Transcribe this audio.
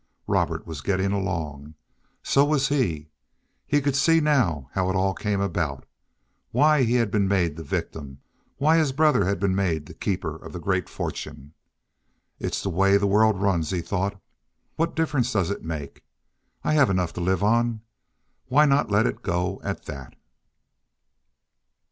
Robert was getting along. So was he. He could see now how it all came about—why he had been made the victim, why his brother had been made the keeper of the great fortune. "It's the way the world runs," he thought. "What difference does it make? I have enough to live on. Why not let it go at that?"